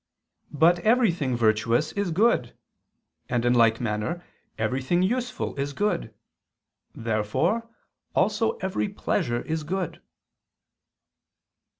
But everything virtuous is good; and in like manner everything useful is good. Therefore also every pleasure is good.